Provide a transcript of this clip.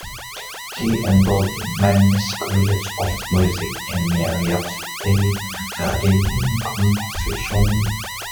He enrolled in Mannes College of Music in New York City, studying composition.